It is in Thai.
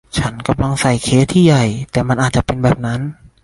ฉันกำลังใส่เคสที่ใหญ่ แต่มันอาจจะเป็นแบบนั้น